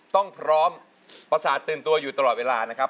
ต้องพร้อมประสาทตื่นตัวอยู่ตลอดเวลานะครับ